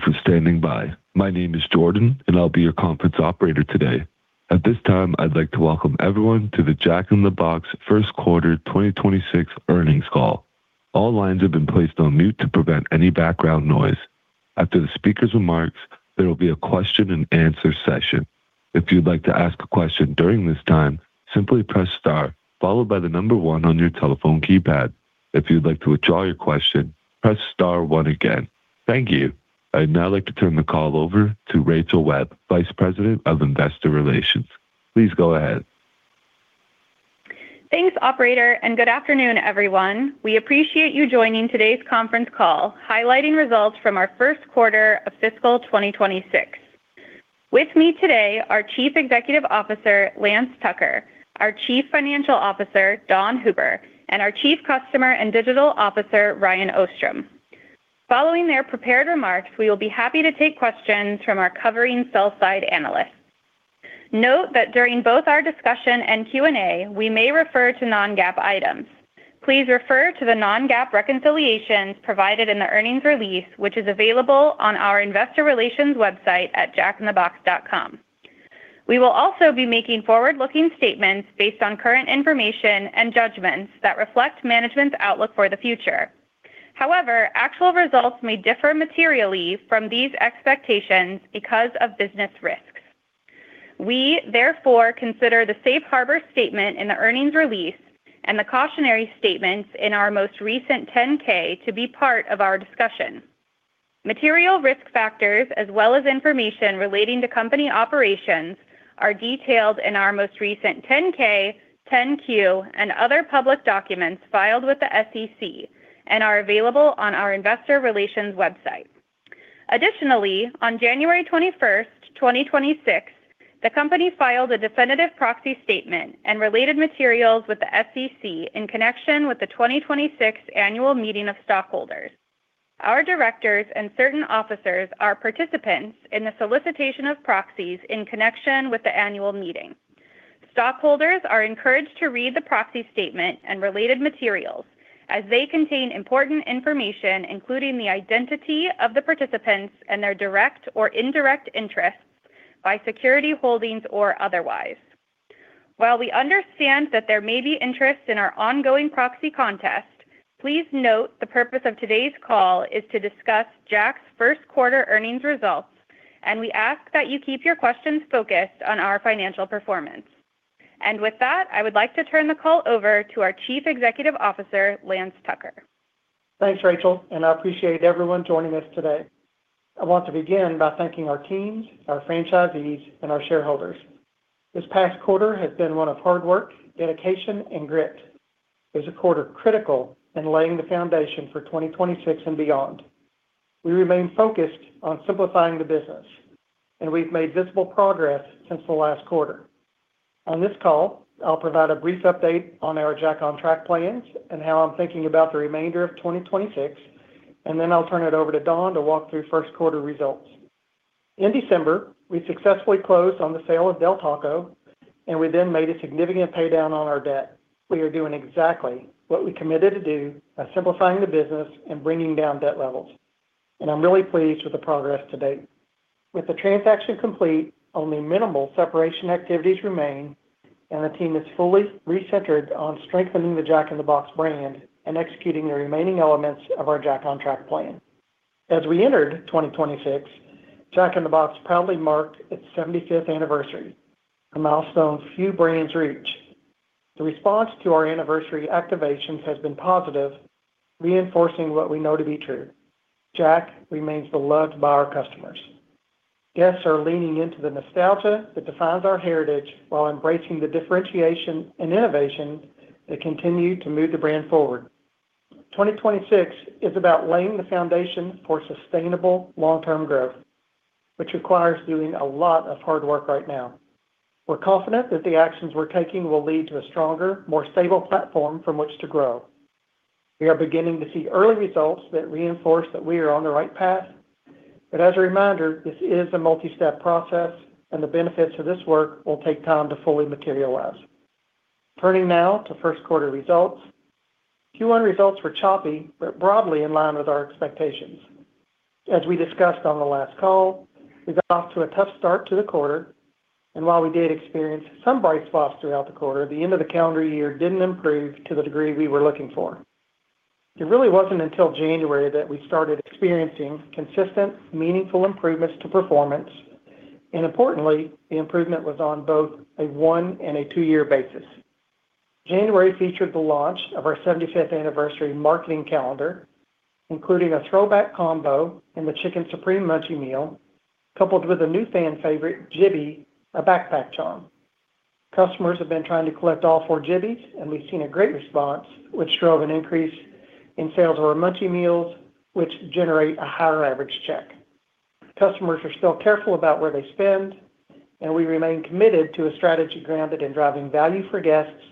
for standing by. My name is Jordan, and I'll be your conference operator today. At this time, I'd like to welcome everyone to the Jack in the Box First Quarter 2026 Earnings Call. All lines have been placed on mute to prevent any background noise. After the speaker's remarks, there will be a question-and-answer session. If you'd like to ask a question during this time, simply press star followed by the number one on your telephone keypad. If you'd like to withdraw your question, press star one again. Thank you. I'd now like to turn the call over to Rachel Webb, Vice President of Investor Relations. Please go ahead. Thanks, operator, and good afternoon, everyone. We appreciate you joining today's conference call, highlighting results from our first quarter of fiscal 2026. With me today are Chief Executive Officer, Lance Tucker, our Chief Financial Officer, Dawn Hooper, and our Chief Customer and Digital Officer, Ryan Ostrom. Following their prepared remarks, we will be happy to take questions from our covering sell side analysts. Note that during both our discussion and Q&A, we may refer to non-GAAP items. Please refer to the non-GAAP reconciliations provided in the earnings release, which is available on our investor relations website at jackinthebox.com. We will also be making forward-looking statements based on current information and judgments that reflect management's outlook for the future. However, actual results may differ materially from these expectations because of business risks. We therefore consider the safe harbor statement in the earnings release and the cautionary statements in our most recent 10-K to be part of our discussion. Material risk factors as well as information relating to company operations are detailed in our most recent 10-K, 10-Q, and other public documents filed with the SEC and are available on our investor relations website. Additionally, on January 21st, 2026, the company filed a definitive proxy statement and related materials with the SEC in connection with the 2026 annual meeting of stockholders. Our directors and certain officers are participants in the solicitation of proxies in connection with the annual meeting. Stockholders are encouraged to read the proxy statement and related materials as they contain important information, including the identity of the participants and their direct or indirect interests by security holdings or otherwise. While we understand that there may be interest in our ongoing proxy contest, please note the purpose of today's call is to discuss Jack's first quarter earnings results, and we ask that you keep your questions focused on our financial performance. With that, I would like to turn the call over to our Chief Executive Officer, Lance Tucker. Thanks, Rachel, and I appreciate everyone joining us today. I want to begin by thanking our teams, our franchisees, and our shareholders. This past quarter has been one of hard work, dedication, and grit. It's a quarter critical in laying the foundation for 2026 and beyond. We remain focused on simplifying the business, and we've made visible progress since the last quarter. On this call, I'll provide a brief update on our Jack OnTrack plans and how I'm thinking about the remainder of 2026, and then I'll turn it over to Dawn to walk through first quarter results. In December, we successfully closed on the sale of Del Taco, and we then made a significant paydown on our debt. We are doing exactly what we committed to do by simplifying the business and bringing down debt levels, and I'm really pleased with the progress to date. With the transaction complete, only minimal separation activities remain, and the team is fully recentered on strengthening the Jack in the Box brand and executing the remaining elements of our Jack OnTrack plan. As we entered 2026, Jack in the Box proudly marked its 75th anniversary, a milestone few brands reach. The response to our anniversary activations has been positive, reinforcing what we know to be true. Jack remains beloved by our customers. Guests are leaning into the nostalgia that defines our heritage while embracing the differentiation and innovation that continue to move the brand forward. 2026 is about laying the foundation for sustainable long-term growth, which requires doing a lot of hard work right now. We're confident that the actions we're taking will lead to a stronger, more stable platform from which to grow. We are beginning to see early results that reinforce that we are on the right path. But as a reminder, this is a multi-step process, and the benefits of this work will take time to fully materialize. Turning now to first quarter results. Q1 results were choppy but broadly in line with our expectations. As we discussed on the last call, we got off to a tough start to the quarter, and while we did experience some bright spots throughout the quarter, the end of the calendar year didn't improve to the degree we were looking for. It really wasn't until January that we started experiencing consistent, meaningful improvements to performance, and importantly, the improvement was on both a one and a two-year basis. January featured the launch of our 75th anniversary marketing calendar, including a throwback combo in the Chicken Supreme Munchie Meal, coupled with a new fan favorite, Jibby, a backpack charm. Customers have been trying to collect all four Jibbies, and we've seen a great response, which drove an increase in sales of our Munchie Meals, which generate a higher average check. Customers are still careful about where they spend, and we remain committed to a strategy grounded in driving value for guests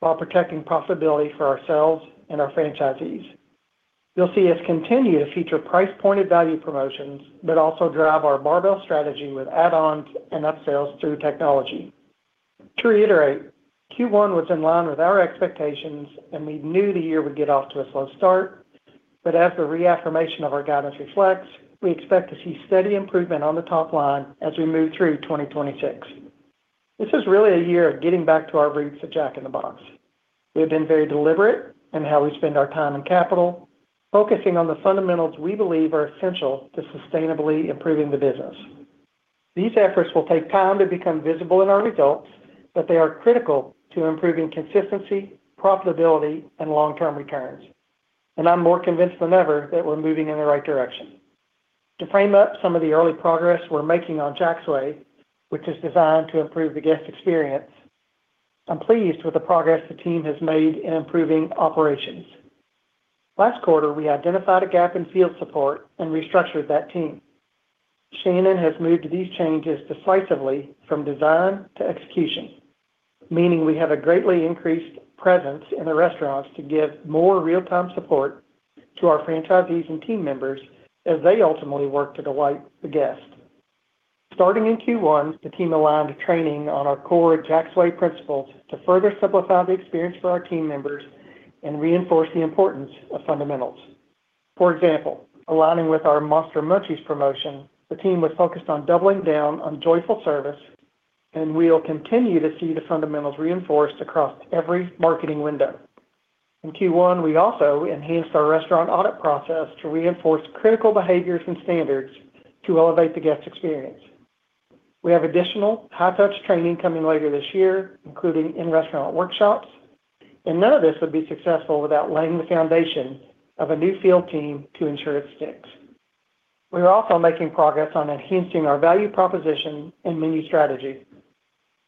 while protecting profitability for ourselves and our franchisees. You'll see us continue to feature price-pointed value promotions, but also drive our barbell strategy with add-ons and upsales through technology.... To reiterate, Q1 was in line with our expectations, and we knew the year would get off to a slow start. But as the reaffirmation of our guidance reflects, we expect to see steady improvement on the top line as we move through 2026. This is really a year of getting back to our roots at Jack in the Box. We have been very deliberate in how we spend our time and capital, focusing on the fundamentals we believe are essential to sustainably improving the business. These efforts will take time to become visible in our results, but they are critical to improving consistency, profitability, and long-term returns, and I'm more convinced than ever that we're moving in the right direction. To frame up some of the early progress we're making on Jack's Way, which is designed to improve the guest experience, I'm pleased with the progress the team has made in improving operations. Last quarter, we identified a gap in field support and restructured that team. Shannon has moved these changes decisively from design to execution, meaning we have a greatly increased presence in the restaurants to give more real-time support to our franchisees and team members as they ultimately work to delight the guests. Starting in Q1, the team aligned training on our core Jack's Way principles to further simplify the experience for our team members and reinforce the importance of fundamentals. For example, aligning with our Monster Munchies promotion, the team was focused on doubling down on joyful service, and we'll continue to see the fundamentals reinforced across every marketing window. In Q1, we also enhanced our restaurant audit process to reinforce critical behaviors and standards to elevate the guest experience. We have additional high-touch training coming later this year, including in-restaurant workshops, and none of this would be successful without laying the foundation of a new field team to ensure it sticks. We are also making progress on enhancing our value proposition and menu strategy.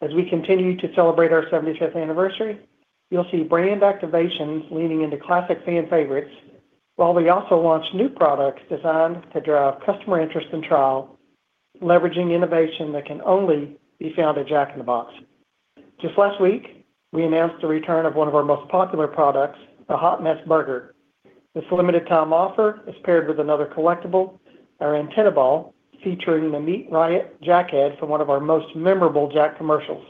As we continue to celebrate our 75th anniversary, you'll see brand activations leaning into classic fan favorites, while we also launch new products designed to drive customer interest and trial, leveraging innovation that can only be found at Jack in the Box. Just last week, we announced the return of one of our most popular products, the Hot Mess Burger. This limited time offer is paired with another collectible, our antenna ball, featuring the Meat Riot Jack head from one of our most memorable Jack commercials.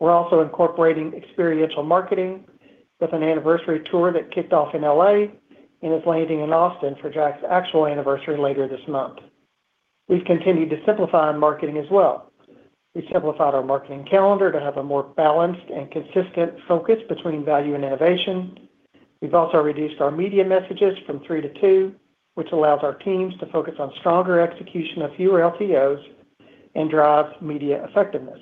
We're also incorporating experiential marketing with an anniversary tour that kicked off in L.A. and is landing in Austin for Jack's actual anniversary later this month. We've continued to simplify on marketing as well. We've simplified our marketing calendar to have a more balanced and consistent focus between value and innovation. We've also reduced our media messages from three to two, which allows our teams to focus on stronger execution of fewer LTOs and drive media effectiveness.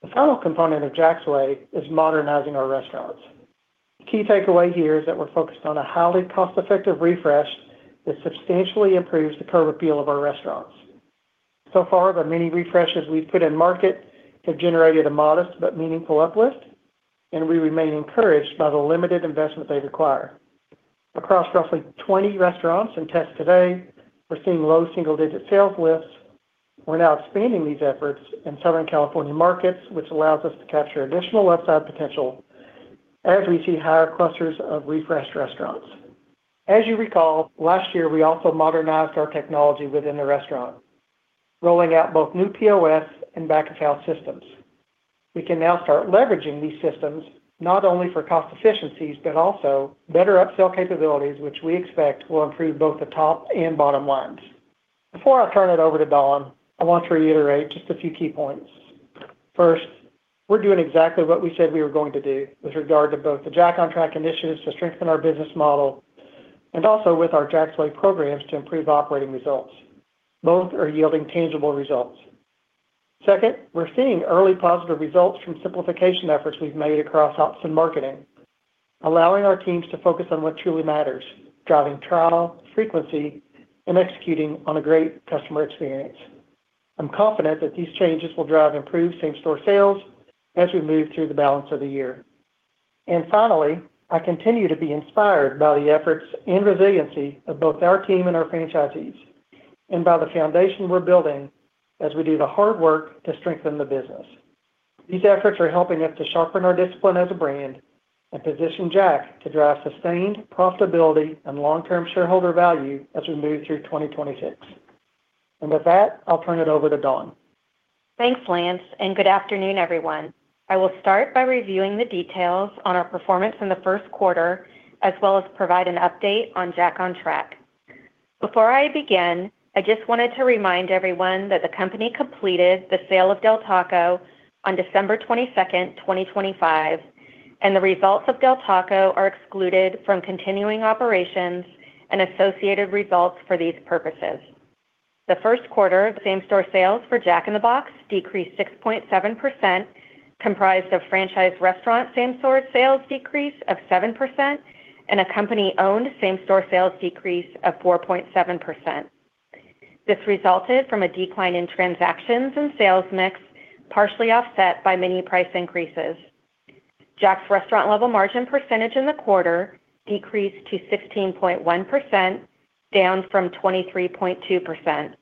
The final component of Jack's Way is modernizing our restaurants. Key takeaway here is that we're focused on a highly cost-effective refresh that substantially improves the curb appeal of our restaurants. So far, the many refreshes we've put in market have generated a modest but meaningful uplift, and we remain encouraged by the limited investment they require. Across roughly 20 restaurants in test today, we're seeing low single-digit sales lifts. We're now expanding these efforts in Southern California markets, which allows us to capture additional upside potential as we see higher clusters of refreshed restaurants. As you recall, last year, we also modernized our technology within the restaurant, rolling out both new POS and back-of-house systems. We can now start leveraging these systems not only for cost efficiencies, but also better upsell capabilities, which we expect will improve both the top and bottom lines. Before I turn it over to Dawn, I want to reiterate just a few key points. First, we're doing exactly what we said we were going to do with regard to both the Jack OnTrack initiatives to strengthen our business model and also with our Jack's Way programs to improve operating results. Both are yielding tangible results. Second, we're seeing early positive results from simplification efforts we've made across ops and marketing, allowing our teams to focus on what truly matters: driving trial, frequency, and executing on a great customer experience. I'm confident that these changes will drive improved same-store sales as we move through the balance of the year. Finally, I continue to be inspired by the efforts and resiliency of both our team and our franchisees, and by the foundation we're building as we do the hard work to strengthen the business. These efforts are helping us to sharpen our discipline as a brand and position Jack to drive sustained profitability and long-term shareholder value as we move through 2026. With that, I'll turn it over to Dawn. Thanks, Lance, and good afternoon, everyone. I will start by reviewing the details on our performance in the first quarter, as well as provide an update on Jack OnTrack. Before I begin, I just wanted to remind everyone that the company completed the sale of Del Taco on December 22, 2025, and the results of Del Taco are excluded from continuing operations and associated results for these purposes. The first quarter of same-store sales for Jack in the Box decreased 6.7%, comprised of franchise restaurant same-store sales decrease of 7% and a company-owned same-store sales decrease of 4.7%. This resulted from a decline in transactions and sales mix, partially offset by many price increases. Jack's restaurant level margin percentage in the quarter decreased to 16.1%, down from 23.2%.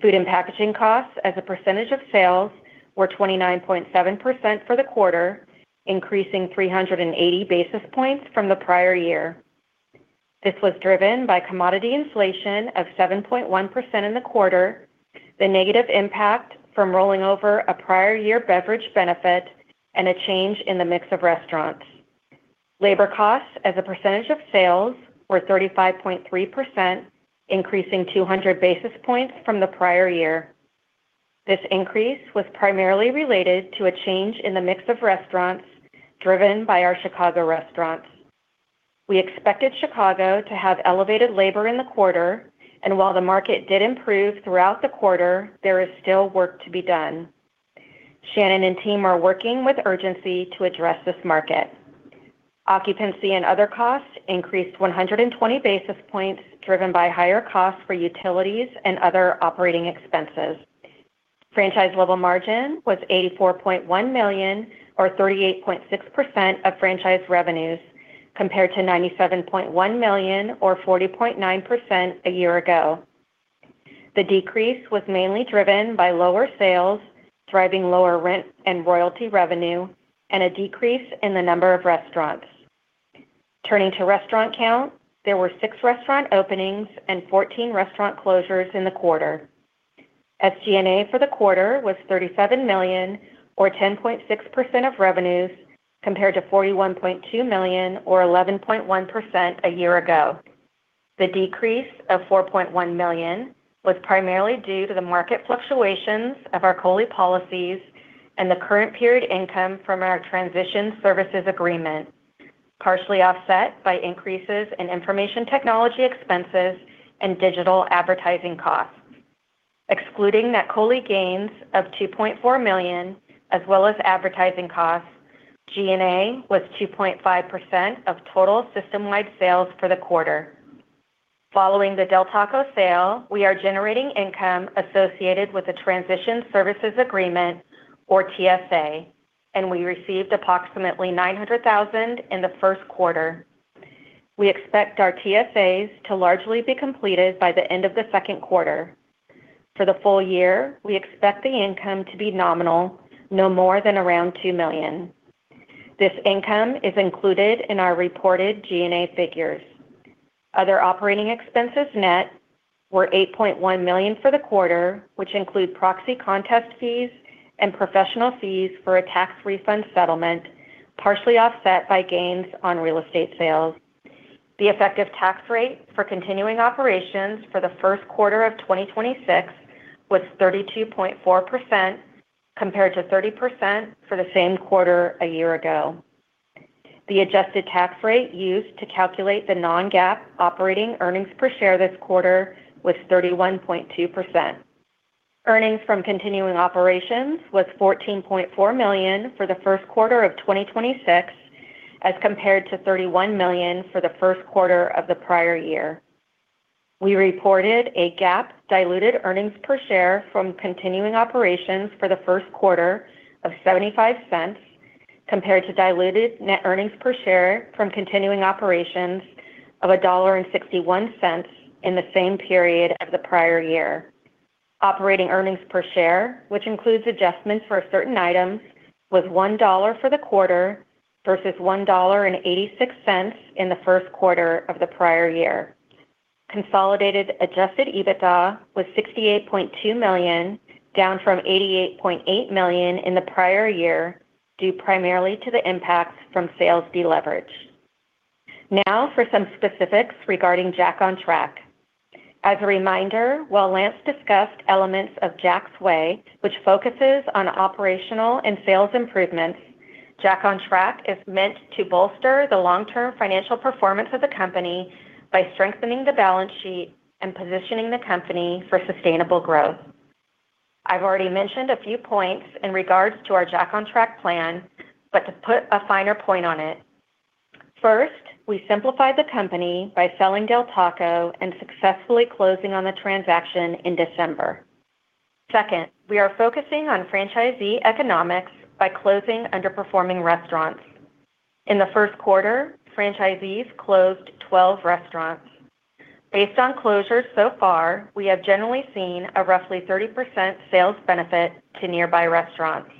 Food and packaging costs as a percentage of sales were 29.7% for the quarter, increasing 380 basis points from the prior year. This was driven by commodity inflation of 7.1% in the quarter, the negative impact from rolling over a prior year beverage benefit, and a change in the mix of restaurants. Labor costs as a percentage of sales were 35.3%, increasing 200 basis points from the prior year. This increase was primarily related to a change in the mix of restaurants driven by our Chicago restaurants. We expected Chicago to have elevated labor in the quarter, and while the market did improve throughout the quarter, there is still work to be done. Shannon and team are working with urgency to address this market. Occupancy and other costs increased 120 basis points, driven by higher costs for utilities and other operating expenses. Franchise level margin was $84.1 million or 38.6% of franchise revenues, compared to $97.1 million or 40.9% a year ago. The decrease was mainly driven by lower sales, driving lower rent and royalty revenue, and a decrease in the number of restaurants. Turning to restaurant count, there were 6 restaurant openings and 14 restaurant closures in the quarter. SG&A for the quarter was $37 million or 10.6% of revenues, compared to $41.2 million or 11.1% a year ago. The decrease of $4.1 million was primarily due to the market fluctuations of our COLI policies and the current period income from our transition services agreement, partially offset by increases in information technology expenses and digital advertising costs. Excluding net COLI gains of $2.4 million, as well as advertising costs, G&A was 2.5% of total system-wide sales for the quarter. Following the Del Taco sale, we are generating income associated with a transition services agreement or TSA, and we received approximately $900,000 in the first quarter. We expect our TSAs to largely be completed by the end of the second quarter. For the full year, we expect the income to be nominal, no more than around $2 million. This income is included in our reported G&A figures. Other operating expenses net were $8.1 million for the quarter, which include proxy contest fees and professional fees for a tax refund settlement, partially offset by gains on real estate sales. The effective tax rate for continuing operations for the first quarter of 2026 was 32.4%, compared to 30% for the same quarter a year ago. The adjusted tax rate used to calculate the non-GAAP operating earnings per share this quarter was 31.2%. Earnings from continuing operations was $14.4 million for the first quarter of 2026, as compared to $31 million for the first quarter of the prior year. We reported a GAAP diluted earnings per share from continuing operations for the first quarter of $0.75, compared to diluted net earnings per share from continuing operations of $1.61 in the same period of the prior year. Operating earnings per share, which includes adjustments for certain items, was $1 for the quarter versus $1.86 in the first quarter of the prior year. Consolidated adjusted EBITDA was $68.2 million, down from $88.8 million in the prior year, due primarily to the impact from sales deleverage. Now, for some specifics regarding Jack OnTrack. As a reminder, while Lance discussed elements of Jack's Way, which focuses on operational and sales improvements, Jack OnTrack is meant to bolster the long-term financial performance of the company by strengthening the balance sheet and positioning the company for sustainable growth. I've already mentioned a few points in regards to our Jack OnTrack plan, but to put a finer point on it. First, we simplified the company by selling Del Taco and successfully closing on the transaction in December. Second, we are focusing on franchisee economics by closing underperforming restaurants. In the first quarter, franchisees closed 12 restaurants. Based on closures so far, we have generally seen a roughly 30% sales benefit to nearby restaurants.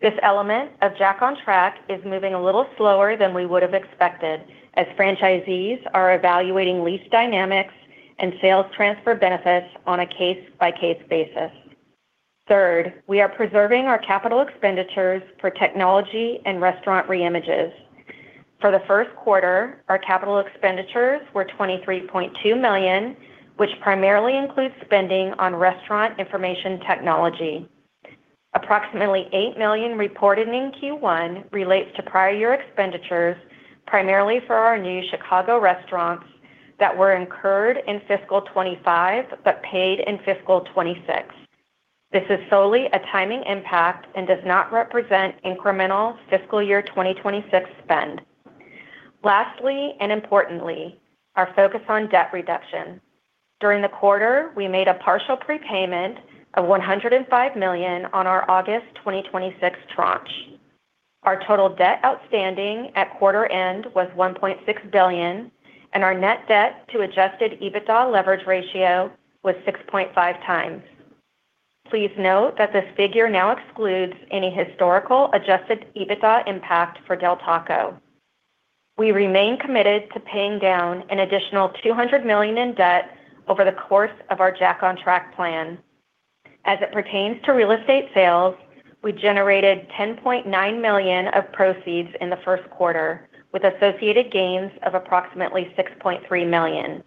This element of Jack OnTrack is moving a little slower than we would have expected, as franchisees are evaluating lease dynamics and sales transfer benefits on a case-by-case basis. Third, we are preserving our capital expenditures for technology and restaurant reimages. For the first quarter, our capital expenditures were $23.2 million, which primarily includes spending on restaurant information technology. Approximately $8 million reported in Q1 relates to prior year expenditures, primarily for our new Chicago restaurants that were incurred in fiscal 2025, but paid in fiscal 2026. This is solely a timing impact and does not represent incremental fiscal year 2026 spend. Lastly, and importantly, our focus on debt reduction. During the quarter, we made a partial prepayment of $105 million on our August 2026 tranche. Our total debt outstanding at quarter end was $1.6 billion, and our net debt to adjusted EBITDA leverage ratio was 6.5 times.... Please note that this figure now excludes any historical adjusted EBITDA impact for Del Taco. We remain committed to paying down an additional $200 million in debt over the course of our Jack OnTrack plan. As it pertains to real estate sales, we generated $10.9 million of proceeds in the first quarter, with associated gains of approximately $6.3 million.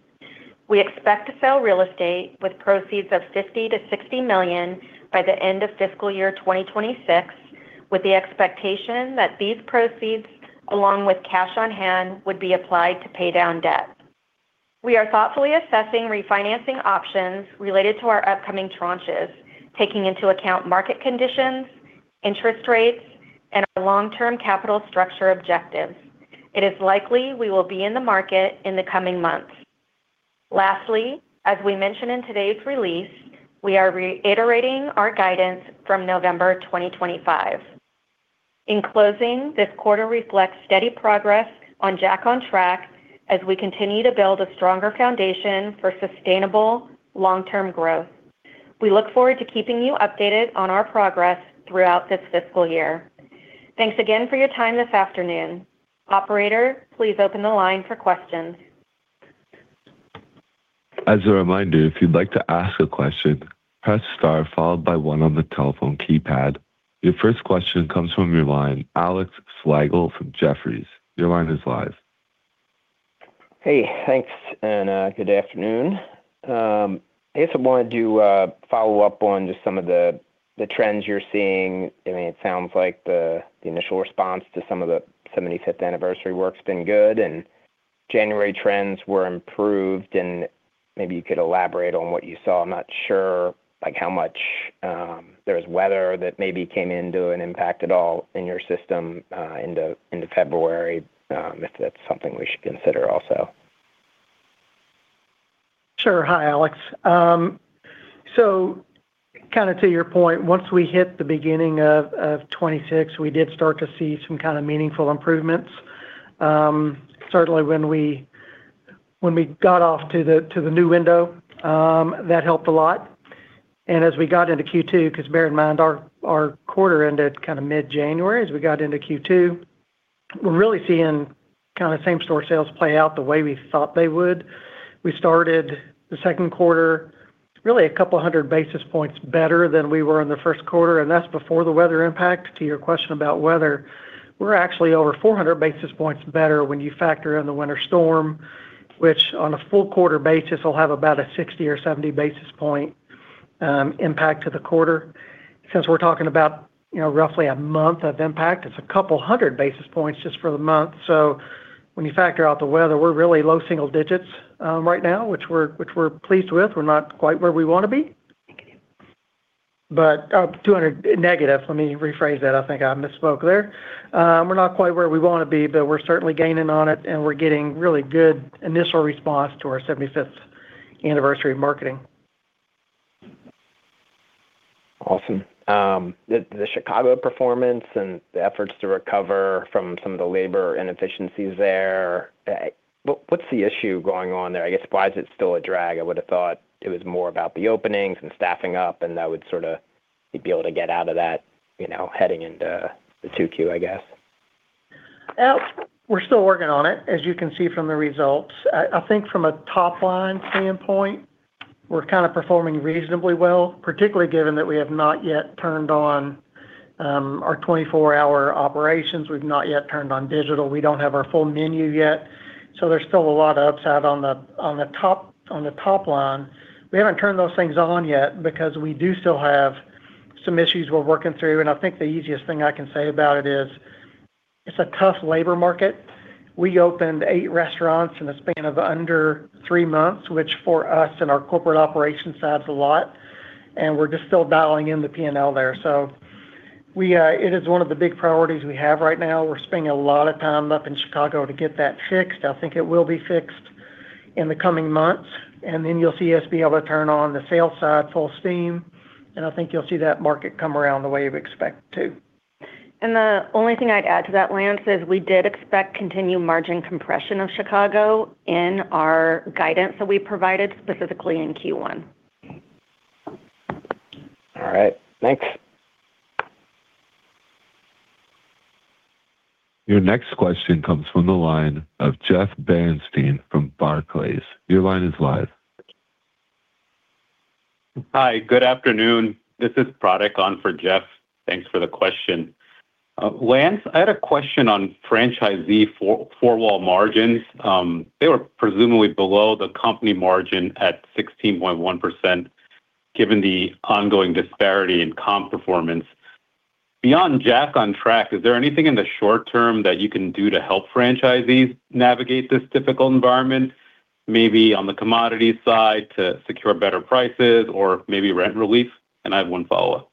We expect to sell real estate with proceeds of $50 million-$60 million by the end of fiscal year 2026, with the expectation that these proceeds, along with cash on hand, would be applied to pay down debt. We are thoughtfully assessing refinancing options related to our upcoming tranches, taking into account market conditions, interest rates, and our long-term capital structure objectives. It is likely we will be in the market in the coming months. Lastly, as we mentioned in today's release, we are reiterating our guidance from November 2025. In closing, this quarter reflects steady progress on Jack OnTrack as we continue to build a stronger foundation for sustainable long-term growth. We look forward to keeping you updated on our progress throughout this fiscal year. Thanks again for your time this afternoon. Operator, please open the line for questions. As a reminder, if you'd like to ask a question, press star followed by one on the telephone keypad. Your first question comes from your line, Alex Slagle from Jefferies. Your line is live. Hey, thanks, and good afternoon. I guess I wanted to follow up on just some of the trends you're seeing. I mean, it sounds like the initial response to some of the seventy-fifth anniversary work's been good, and January trends were improved, and maybe you could elaborate on what you saw. I'm not sure, like, how much there was weather that maybe came into and impacted all in your system, into February, if that's something we should consider also. Sure. Hi, Alex. So kind of to your point, once we hit the beginning of 2026, we did start to see some kind of meaningful improvements. Certainly when we got off to the new window, that helped a lot. And as we got into Q2, because bear in mind, our quarter ended kind of mid-January, as we got into Q2, we're really seeing kind of same-store sales play out the way we thought they would. We started the second quarter really a couple of hundred basis points better than we were in the first quarter, and that's before the weather impact. To your question about weather, we're actually over 400 basis points better when you factor in the winter storm, which on a full quarter basis, will have about a 60 or 70 basis point impact to the quarter. Since we're talking about, you know, roughly a month of impact, it's 200 basis points just for the month. So when you factor out the weather, we're really low single digits right now, which we're pleased with. We're not quite where we want to be. But, -200. Let me rephrase that. I think I misspoke there. We're not quite where we want to be, but we're certainly gaining on it, and we're getting really good initial response to our 75th anniversary marketing. Awesome. The Chicago performance and the efforts to recover from some of the labor inefficiencies there, what's the issue going on there? I guess, why is it still a drag? I would have thought it was more about the openings and staffing up, and that would sort of you'd be able to get out of that, you know, heading into the 2Q, I guess. Well, we're still working on it, as you can see from the results. I think from a top-line standpoint, we're kind of performing reasonably well, particularly given that we have not yet turned on our 24-hour operations. We've not yet turned on digital. We don't have our full menu yet, so there's still a lot of upside on the top line. We haven't turned those things on yet because we do still have some issues we're working through, and I think the easiest thing I can say about it is, it's a tough labor market. We opened eight restaurants in the span of under three months, which for us in our corporate operations side, is a lot, and we're just still dialing in the P&L there. It is one of the big priorities we have right now. We're spending a lot of time up in Chicago to get that fixed. I think it will be fixed in the coming months, and then you'll see us be able to turn on the sales side full steam, and I think you'll see that market come around the way you've expected to. The only thing I'd add to that, Lance, is we did expect continued margin compression of Chicago in our guidance that we provided, specifically in Q1. All right. Thanks. Your next question comes from the line of Jeff Bernstein from Barclays. Your line is live. Hi, good afternoon. This is Pratik for Jeff. Thanks for the question. Lance, I had a question on franchisee four-wall margins. They were presumably below the company margin at 16.1%, given the ongoing disparity in comp performance. Beyond Jack OnTrack, is there anything in the short term that you can do to help franchisees navigate this difficult environment, maybe on the commodity side, to secure better prices or maybe rent relief? And I have one follow-up.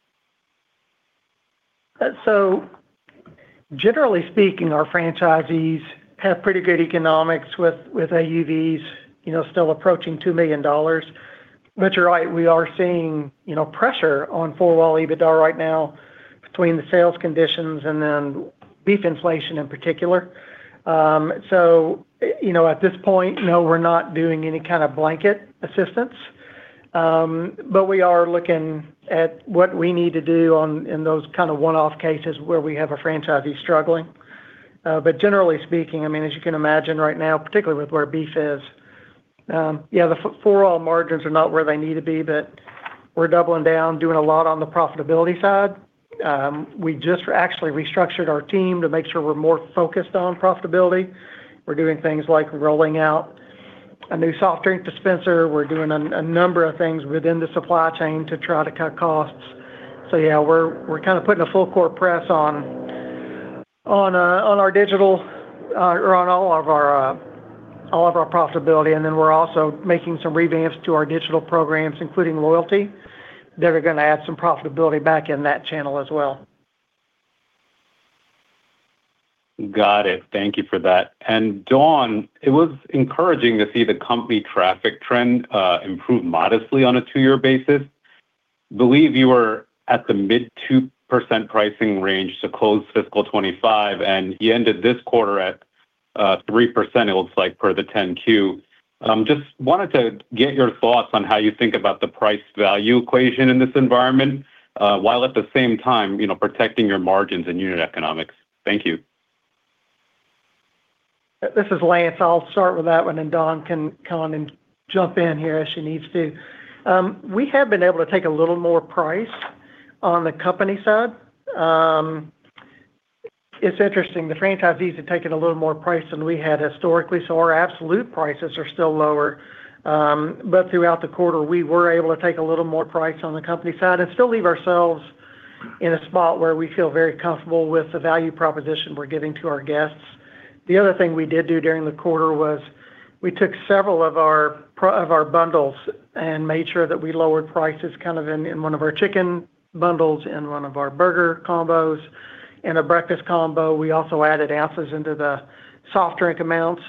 Generally speaking, our franchisees have pretty good economics with AUVs, you know, still approaching $2 million. But you're right, we are seeing, you know, pressure on four-wall EBITDA right now, between the sales conditions and then beef inflation in particular. So, you know, at this point, no, we're not doing any kind of blanket assistance, but we are looking at what we need to do in those kind of one-off cases where we have a franchisee struggling. But generally speaking, I mean, as you can imagine right now, particularly with where beef is, yeah, the overall margins are not where they need to be, but we're doubling down, doing a lot on the profitability side. We just actually restructured our team to make sure we're more focused on profitability. We're doing things like rolling out a new soft drink dispenser. We're doing a number of things within the supply chain to try to cut costs. So yeah, we're kind of putting a full court press on our digital or on all of our profitability. And then we're also making some revamps to our digital programs, including loyalty, that are gonna add some profitability back in that channel as well. Got it. Thank you for that. Dawn, it was encouraging to see the company traffic trend improve modestly on a two-year basis. Believe you were at the mid 2% pricing range to close fiscal 2025, and you ended this quarter at 3%, it looks like, per the 10-Q. Just wanted to get your thoughts on how you think about the price value equation in this environment, while at the same time, you know, protecting your margins and unit economics. Thank you. This is Lance. I'll start with that one, and then Dawn can come on and jump in here, as she needs to. We have been able to take a little more price on the company side. It's interesting, the franchisees have taken a little more price than we had historically, so our absolute prices are still lower. But throughout the quarter, we were able to take a little more price on the company side and still leave ourselves in a spot where we feel very comfortable with the value proposition we're giving to our guests. The other thing we did do during the quarter was we took several of our bundles and made sure that we lowered prices, kind of, in one of our chicken bundles, in one of our burger combos and a breakfast combo. We also added ounces into the soft drink amounts.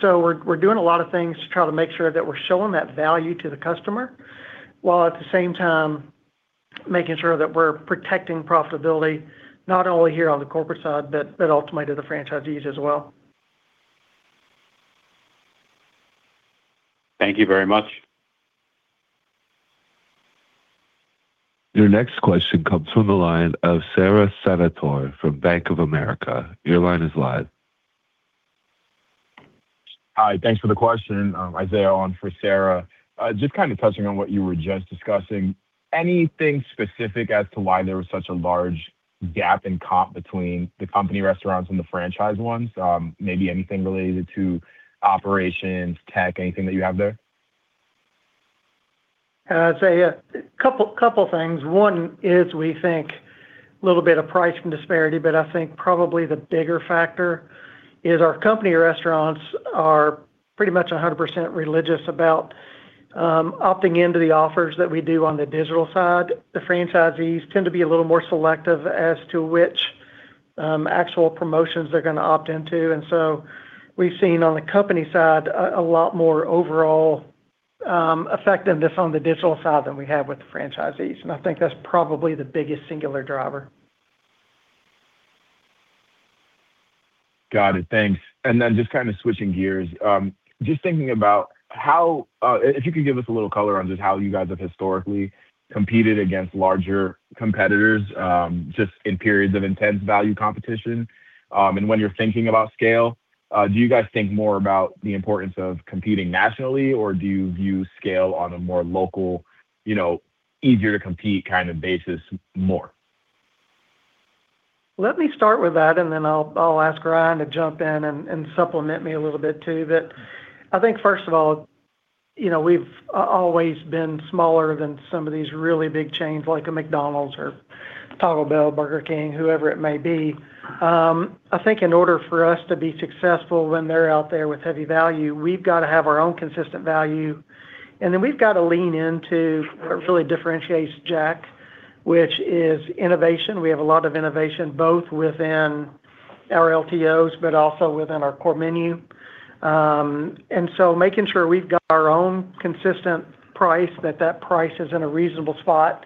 So we're doing a lot of things to try to make sure that we're showing that value to the customer, while at the same time, making sure that we're protecting profitability, not only here on the corporate side, but ultimately to the franchisees as well. Thank you very much. Your next question comes from the line of Sara Senatore from Bank of America. Your line is live. Hi, thanks for the question. [Isaiah] on for Sara. Just kind of touching on what you were just discussing, anything specific as to why there was such a large gap in comp between the company restaurants and the franchise ones? Maybe anything related to operations, tech, anything that you have there? So yeah, a couple, couple things. One is, we think a little bit of pricing disparity, but I think probably the bigger factor is our company restaurants are pretty much 100% religious about opting into the offers that we do on the digital side. The franchisees tend to be a little more selective as to which actual promotions they're gonna opt into. And so we've seen on the company side a lot more overall effectiveness on the digital side than we have with the franchisees, and I think that's probably the biggest singular driver. Got it. Thanks. And then just kind of switching gears, just thinking about how if you could give us a little color on just how you guys have historically competed against larger competitors, just in periods of intense value competition. And when you're thinking about scale, do you guys think more about the importance of competing nationally, or do you view scale on a more local, you know, easier to compete kind of basis more? Let me start with that, and then I'll ask Ryan to jump in and supplement me a little bit, too. But I think first of all, you know, we've always been smaller than some of these really big chains, like a McDonald's or Taco Bell, Burger King, whoever it may be. I think in order for us to be successful when they're out there with heavy value, we've got to have our own consistent value, and then we've got to lean into what really differentiates Jack, which is innovation. We have a lot of innovation, both within our LTOs but also within our core menu. And so making sure we've got our own consistent price, that that price is in a reasonable spot,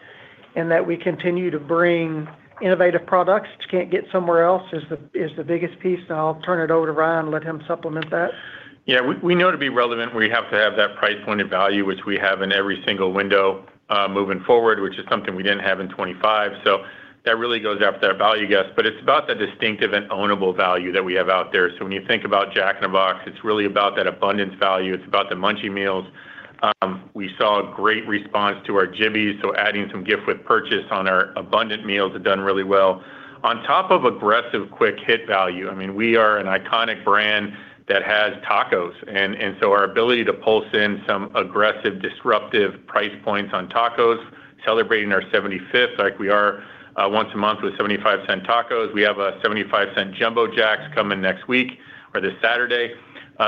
and that we continue to bring innovative products you can't get somewhere else is the biggest piece. I'll turn it over to Ryan and let him supplement that. Yeah, we know to be relevant, we have to have that price point and value, which we have in every single window, moving forward, which is something we didn't have in 25. So that really goes after our value guest, but it's about the distinctive and ownable value that we have out there. So when you think about Jack in the Box, it's really about that abundance value. It's about the Munchie Meals. We saw a great response to our Jibbies, so adding some gift with purchase on our abundant meals have done really well. On top of aggressive quick hit value, I mean, we are an iconic brand that has tacos, and so our ability to pulse in some aggressive, disruptive price points on tacos, celebrating our 75th, like we are, once a month with $0.75 tacos. We have a $0.75 Jumbo Jacks coming next week or this Saturday.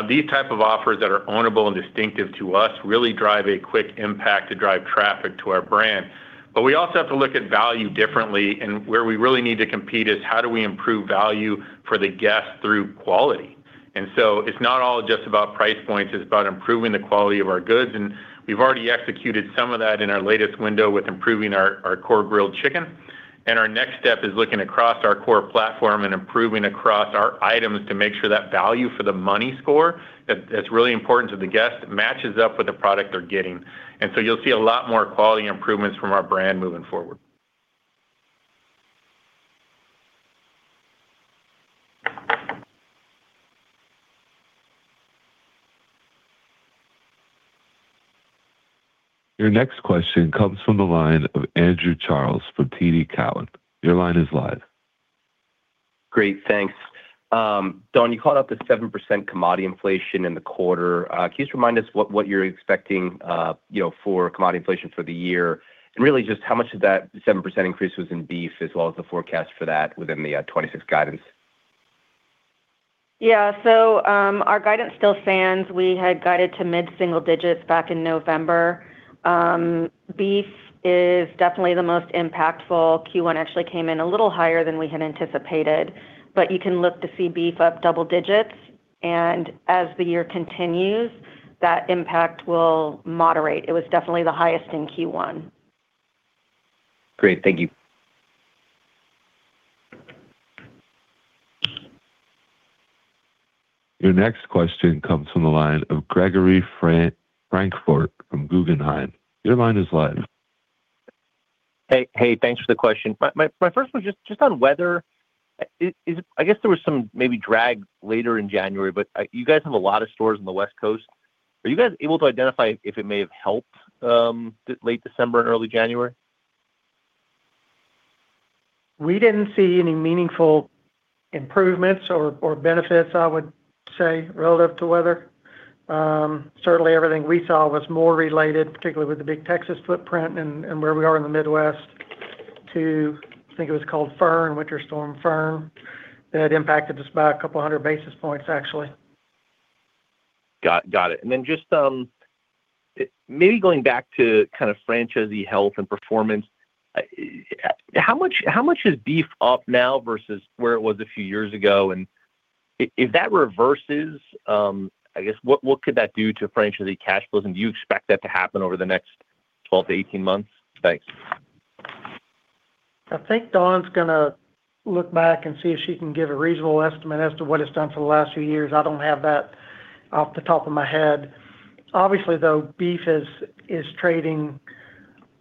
These type of offers that are ownable and distinctive to us really drive a quick impact to drive traffic to our brand. But we also have to look at value differently, and where we really need to compete is how do we improve value for the guest through quality? And so it's not all just about price points, it's about improving the quality of our goods. And we've already executed some of that in our latest window with improving our, our core grilled chicken. And our next step is looking across our core platform and improving across our items to make sure that value for the money score, that, that's really important to the guest, matches up with the product they're getting. And so you'll see a lot more quality improvements from our brand moving forward. Your next question comes from the line of Andrew Charles from TD Cowen. Your line is live. Great. Thanks. Dawn, you called out the 7% commodity inflation in the quarter. Can you just remind us what, what you're expecting, you know, for commodity inflation for the year? And really, just how much of that 7% increase was in beef as well as the forecast for that within the 2026 guidance. Yeah. So, our guidance still stands. We had guided to mid-single digits back in November. Beef is definitely the most impactful. Q1 actually came in a little higher than we had anticipated, but you can look to see beef up double digits, and as the year continues, that impact will moderate. It was definitely the highest in Q1. Great. Thank you. Your next question comes from the line of Gregory Francfort from Guggenheim. Your line is live. Hey, hey, thanks for the question. My first one, just on weather. I guess there was some maybe drag later in January, but you guys have a lot of stores on the West Coast. Are you guys able to identify if it may have helped the late December and early January? We didn't see any meaningful improvements or benefits, I would say, relative to weather. Certainly everything we saw was more related, particularly with the big Texas footprint and where we are in the Midwest, to, I think it was called Fern, Winter Storm Fern. That impacted us by a couple hundred basis points, actually. Got it. And then just maybe going back to kind of franchisee health and performance. How much is beef up now versus where it was a few years ago? And if that reverses, I guess, what could that do to franchisee cash flows, and do you expect that to happen over the next 12 to 18 months? Thanks. I think Dawn's gonna look back and see if she can give a reasonable estimate as to what it's done for the last few years. I don't have that off the top of my head. Obviously, though, beef is trading,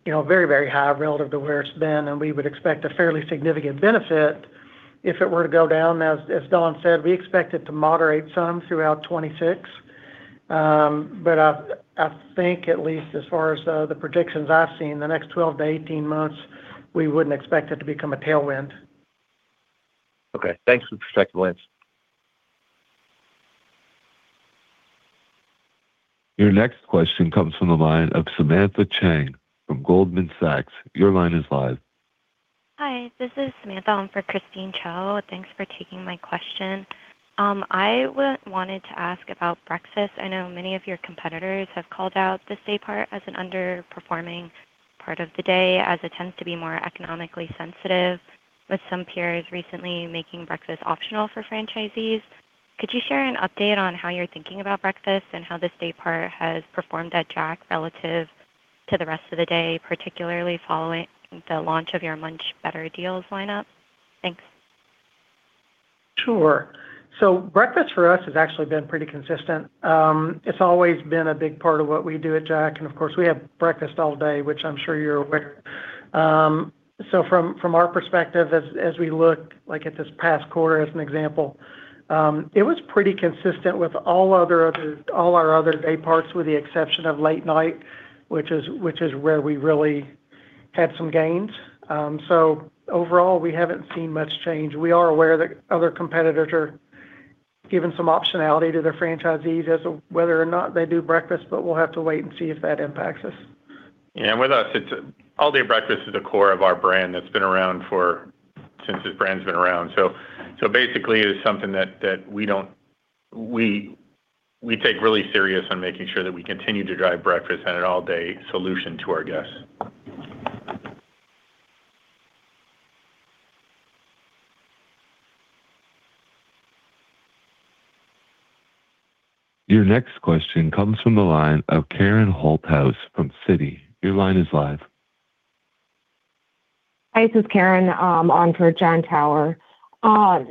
you know, very, very high relative to where it's been, and we would expect a fairly significant benefit if it were to go down. As Dawn said, we expect it to moderate some throughout 2026. But I think, at least as far as the predictions I've seen, the next 12 to 18 months, we wouldn't expect it to become a tailwind. Okay, thanks for the perspective. Your next question comes from the line of Samantha Chiang from Goldman Sachs. Your line is live. Hi, this is Samantha. I'm for Christine Cho. Thanks for taking my question. I wanted to ask about breakfast. I know many of your competitors have called out this day part as an underperforming part of the day, as it tends to be more economically sensitive, with some peers recently making breakfast optional for franchisees. Could you share an update on how you're thinking about breakfast and how this day part has performed at Jack relative to the rest of the day, particularly following the launch of your Munch Better Deals lineup? Thanks. Sure. So breakfast for us has actually been pretty consistent. It's always been a big part of what we do at Jack, and of course, we have breakfast all day, which I'm sure you're aware. So from our perspective as we look, like, at this past quarter, as an example, it was pretty consistent with all our other day parts, with the exception of late night, which is where we really had some gains. So overall, we haven't seen much change. We are aware that other competitors are giving some optionality to their franchisees as to whether or not they do breakfast, but we'll have to wait and see if that impacts us. Yeah, with us, it's... All-day breakfast is the core of our brand, that's been around for, since this brand's been around. So basically, it is something that we don't, we take really serious on making sure that we continue to drive breakfast and an all-day solution to our guests. Your next question comes from the line of Karen Holthouse from Citi. Your line is live. Hi, this is Karen on for Jon Tower.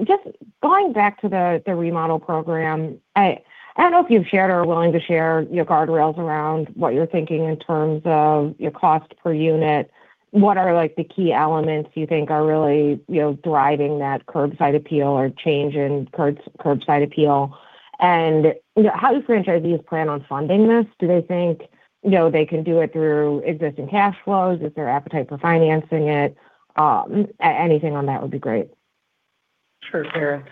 Just going back to the remodel program, I don't know if you've shared or are willing to share your guardrails around what you're thinking in terms of your cost per unit. What are, like, the key elements you think are really, you know, driving that curbside appeal or change in curbside appeal? And, you know, how do franchisees plan on funding this? Do they think, you know, they can do it through existing cash flows? Is there appetite for financing it? Anything on that would be great. Sure, Karen.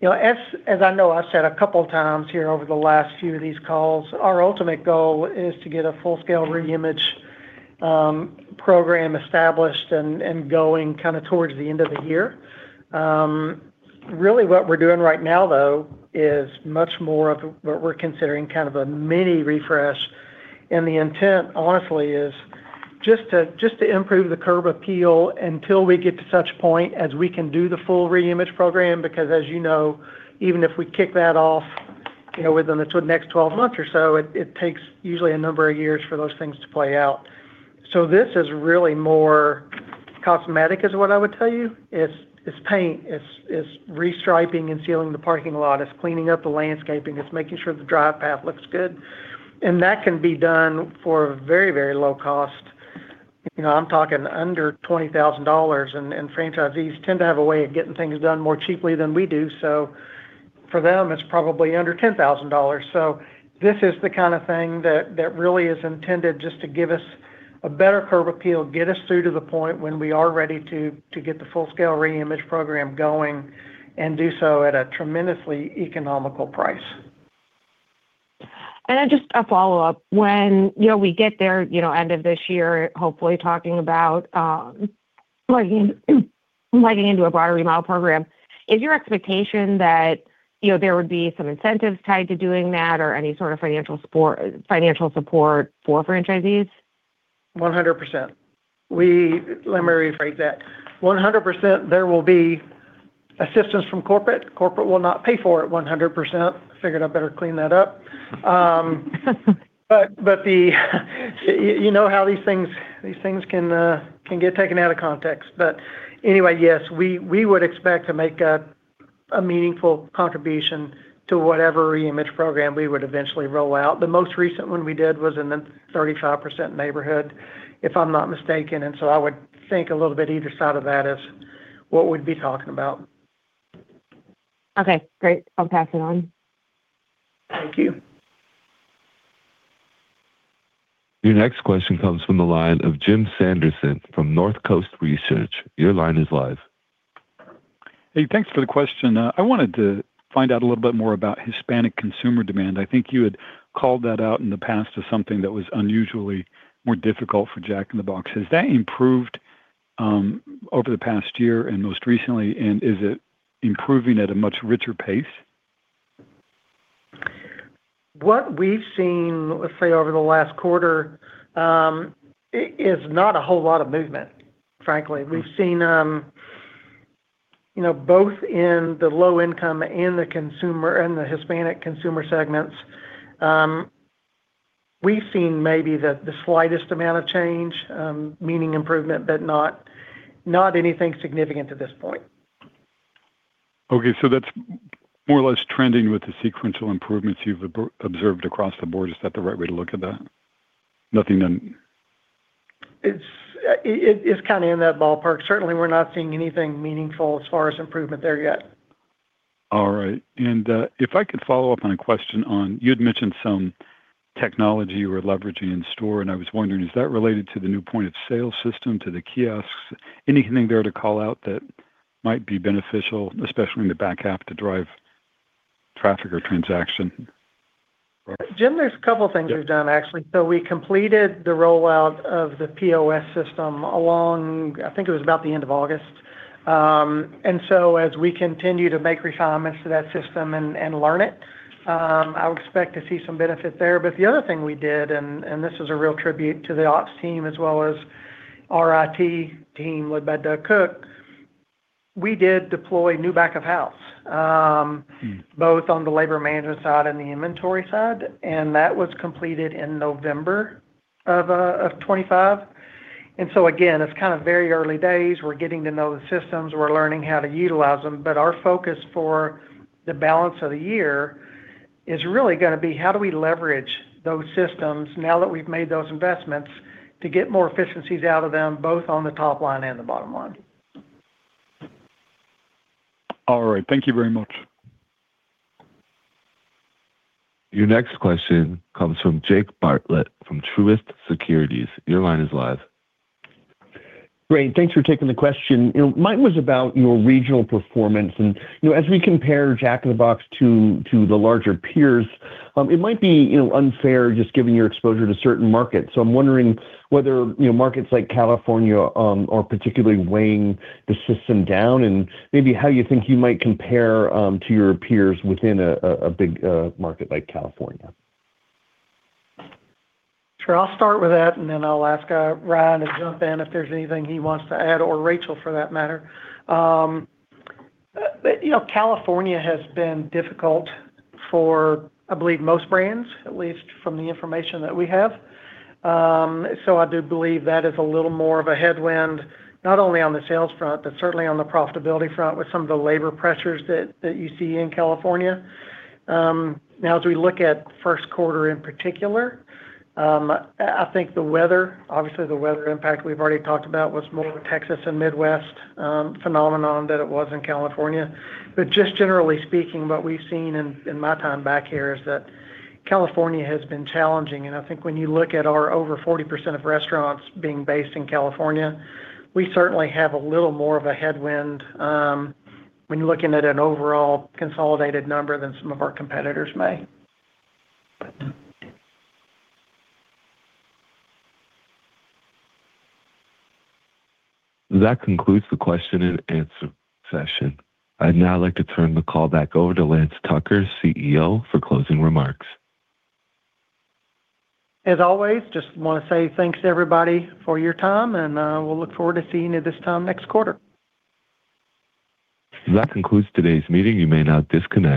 You know, as I know I've said a couple times here over the last few of these calls, our ultimate goal is to get a full-scale reimage program established and going kind of towards the end of the year. Really, what we're doing right now, though, is much more of what we're considering kind of a mini refresh. And the intent, honestly, is just to improve the curb appeal until we get to such point as we can do the full reimage program, because as you know, even if we kick that off, you know, within the next twelve months or so, it takes usually a number of years for those things to play out. So this is really more cosmetic, is what I would tell you. It's paint, it's re-striping and sealing the parking lot. It's cleaning up the landscaping, it's making sure the drive path looks good, and that can be done for a very, very low cost. You know, I'm talking under $20,000, and, and franchisees tend to have a way of getting things done more cheaply than we do, so for them, it's probably under $10,000. So this is the kind of thing that, that really is intended just to give us a better curb appeal, get us through to the point when we are ready to, to get the full-scale reimage program going, and do so at a tremendously economical price. And then just a follow-up: When, you know, we get there, you know, end of this year, hopefully talking about, plugging, plugging into a broader remodel program, is your expectation that, you know, there would be some incentives tied to doing that, or any sort of financial support, financial support for franchisees? 100%. We. Let me rephrase that. 100%, there will be assistance from corporate. Corporate will not pay for it 100%. Figured I better clean that up. But, but the, you know how these things, these things can get taken out of context. But anyway, yes, we would expect to make a meaningful contribution to whatever reimage program we would eventually roll out. The most recent one we did was in the 35% neighborhood, if I'm not mistaken, and so I would think a little bit either side of that is what we'd be talking about. Okay, great. I'll pass it on. Thank you. Your next question comes from the line of Jim Sanderson from North Coast Research. Your line is live. Hey, thanks for the question. I wanted to find out a little bit more about Hispanic consumer demand. I think you had called that out in the past as something that was unusually more difficult for Jack in the Box. Has that improved, over the past year and most recently, and is it improving at a much richer pace? What we've seen, let's say, over the last quarter, is not a whole lot of movement, frankly. We've seen, you know, both in the low income and the consumer and the Hispanic consumer segments, we've seen maybe the slightest amount of change, meaning improvement, but not anything significant to this point. Okay, so that's more or less trending with the sequential improvements you've observed across the board. Is that the right way to look at that? Nothing then- It's kind of in that ballpark. Certainly, we're not seeing anything meaningful as far as improvement there yet. All right. And, if I could follow up on a question on... You had mentioned some technology you were leveraging in store, and I was wondering, is that related to the new point-of-sale system, to the kiosks? Anything there to call out that might be beneficial, especially in the back half, to drive traffic or transaction? Jim, there's a couple things- Yep. We've done, actually. So we completed the rollout of the POS system along, I think it was about the end of August. And so as we continue to make refinements to that system and learn it, I would expect to see some benefit there. But the other thing we did, and this is a real tribute to the ops team as well as our IT team, led by Doug Cook, we did deploy new back of house. Mm... both on the labor management side and the inventory side, and that was completed in November of 2025. And so again, it's kind of very early days. We're getting to know the systems. We're learning how to utilize them, but our focus for the balance of the year is really gonna be how do we leverage those systems now that we've made those investments to get more efficiencies out of them, both on the top line and the bottom line? All right. Thank you very much. Your next question comes from Jake Bartlett from Truist Securities. Your line is live. Great. Thanks for taking the question. You know, mine was about your regional performance and, you know, as we compare Jack in the Box to the larger peers, it might be, you know, unfair just given your exposure to certain markets. So I'm wondering whether, you know, markets like California are particularly weighing the system down, and maybe how you think you might compare to your peers within a big market like California? Sure. I'll start with that, and then I'll ask Ryan to jump in if there's anything he wants to add, or Rachel, for that matter. You know, California has been difficult for, I believe, most brands, at least from the information that we have. So I do believe that is a little more of a headwind, not only on the sales front, but certainly on the profitability front, with some of the labor pressures that, that you see in California. Now, as we look at first quarter in particular, I think the weather, obviously, the weather impact we've already talked about was more of a Texas and Midwest phenomenon than it was in California. But just generally speaking, what we've seen in my time back here is that California has been challenging, and I think when you look at our over 40% of restaurants being based in California, we certainly have a little more of a headwind when you're looking at an overall consolidated number than some of our competitors may. But... That concludes the question and answer session. I'd now like to turn the call back over to Lance Tucker, CEO, for closing remarks. As always, just want to say thanks to everybody for your time, and we'll look forward to seeing you this time next quarter. That concludes today's meeting. You may now disconnect.